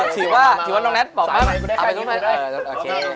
ถือว่าคือน้องแน็ตตอบบ้าง